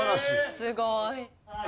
すごい。